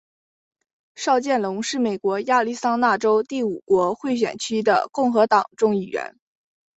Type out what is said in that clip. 邵建隆是美国亚利桑那州第五国会选区的共和党众议员。